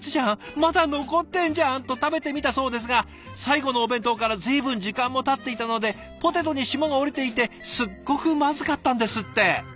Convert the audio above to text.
まだ残ってんじゃん！」と食べてみたそうですが最後のお弁当から随分時間もたっていたのでポテトに霜が降りていてすっごくまずかったんですって！